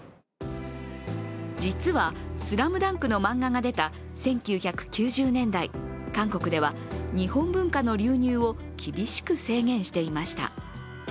実は「ＳＬＵＭＤＵＮＫ」の漫画が出た１９９０年代、韓国では日本文化の流入を厳しく制限していました。